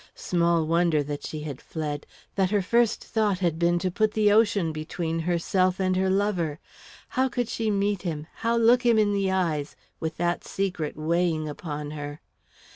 Small wonder that she had fled, that her first thought had been to put the ocean between herself and her lover. How could she meet him, how look him in the eyes, with that secret weighing upon her?